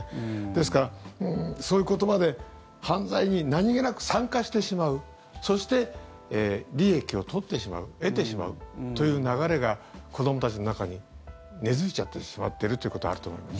ですから、そういう言葉で犯罪に何げなく参加してしまうそして、利益を取ってしまう得てしまうという流れが子どもたちの中に根付いちゃっているということはあると思います。